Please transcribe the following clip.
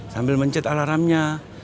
sambil mencet alarmnya